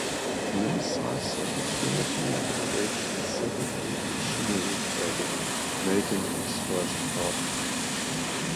Lim seized the opportunity and engaged in second-hand machinery trading, making his first fortune.